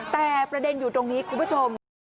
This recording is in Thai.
แต่ประเด็นอยู่ตรงนี้คุณผู้ชม